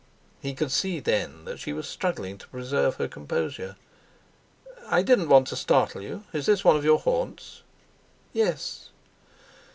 He could see, then, that she was struggling to preserve her composure. "I didn't want to startle you; is this one of your haunts?" "Yes."